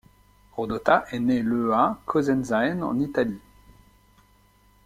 Rodotà est né le à Cosenzaen en Italie.